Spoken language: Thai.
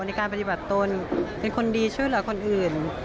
ในการปฏิบัติตนเป็นคนดีช่วยเหลือคนอื่น